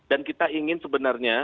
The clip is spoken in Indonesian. dan kita ingin sebenarnya